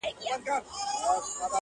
که زه مړ سوم لېري یو نسي زما مړی-